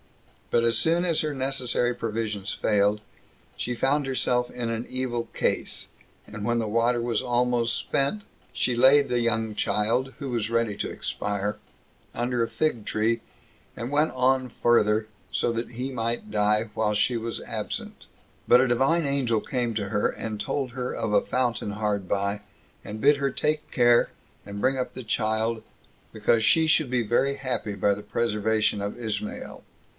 But as soon as her necessary provisions failed, she found herself in an evil case; and when the water was almost spent, she laid the young child, who was ready to expire, under a fig tree, and went on further, that so he might die while she was absent. But a Divine Angel came to her, and told her of a fountain hard by, and bid her take care, and bring up the child, because she should be very happy by the preservation of Ismael.